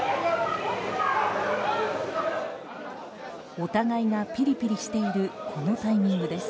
お互いがピリピリしているこのタイミングです。